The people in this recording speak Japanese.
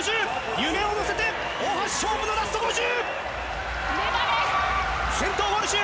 夢を乗せて大橋、勝負のラスト５０！